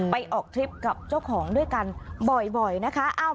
ไปออกทริปกับเจ้าของด้วยกันบ่อยนะคะ